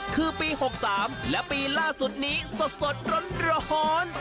คือปี๖๓และปีล่าสุดนี้สดร้อน